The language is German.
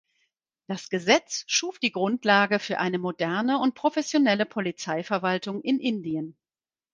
Das Gesetz schuf die Grundlage für eine moderne und professionelle Polizeiverwaltung in Indien.